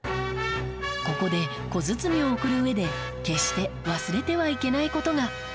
ここで小包みを送る上で決して忘れてはいけない事が。